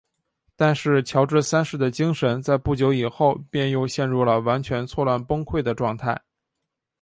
但是乔治三世的精神在不久以后便又陷入了完全错乱崩溃的状态。